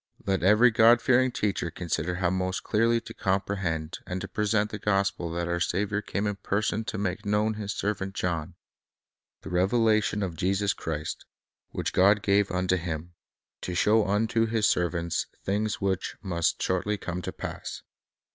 Let every God fearing teacher consider how most clearly to com prehend and to present the gospel that our Saviour came in person to make known to His servant John, — "The Revelation of Jesus Christ, which God gave unto Him, to show unto His servants things which must shortly come to pass."